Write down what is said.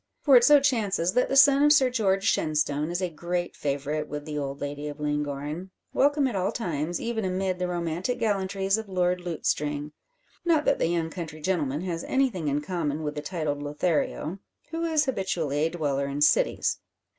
For it so chances that the son of Sir George Shenstone is a great favourite with the old lady of Llangorren; welcome at all times, even amid the romantic gallantries of Lord Lutestring. Not that the young country gentleman has anything in common with the titled Lothario, who is habitually a dweller in cities.